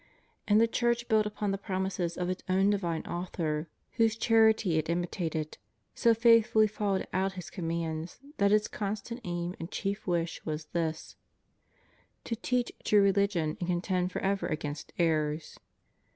And the Church built upon the promises of its own divine Author, whose charity it imitated, so faithfully followed out His com mands that its constant aim and chief wish was this: to teach true rehgion and contend forever against errors.